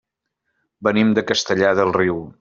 Venim de Castellar del Riu.